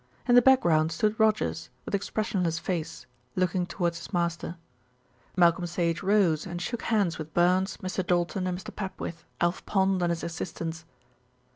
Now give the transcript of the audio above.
In the background stood Rogers, with expressionless face, looking towards his master. Malcolm Sage rose and shook hands with Burns, Mr. Doulton and Mr. Papwith, Alf Pond and his assistants.